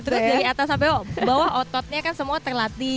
terus dari atas sampai bawah ototnya kan semua terlatih